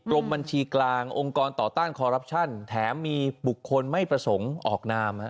บัญชีกลางองค์กรต่อต้านคอรัปชั่นแถมมีบุคคลไม่ประสงค์ออกนาม